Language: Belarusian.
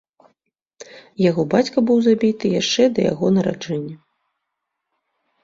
Яго бацька быў забіты яшчэ да яго нараджэння.